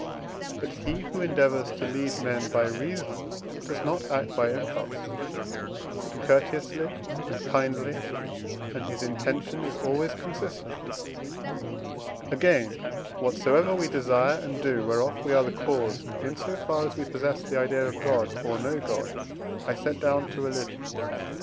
But he, who endeavours to lead men by reason, does not act by impulse but courteously and kindly, and his intention is always consistent. Again, whatsoever we desire and do, whereof we are the cause in so far as we possess the idea of God, or know God, I set down to Religion.